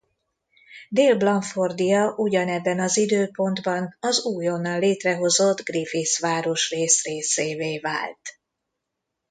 Dél-Blanfordia ugyanebben az időpontban az újonnan létrehozott Griffith városrész részévé vált.